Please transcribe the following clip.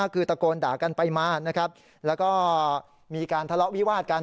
คือตะโกนด่ากันไปมานะครับแล้วก็มีการทะเลาะวิวาดกัน